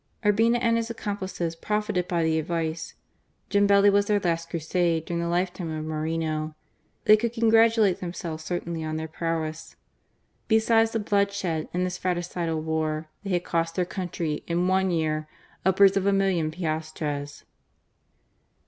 '" Urbina and his accomplices profited by the advice. Jambeli was their last crusade during the lifetime of Moreno. They CQuld congratulate them selves certainly on their prowess! Besides the blood shed in this fratricidal war, they had cost their country, in one year, upwards of a million piastres.